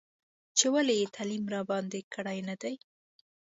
چې ولې یې تعلیم راباندې کړی نه دی.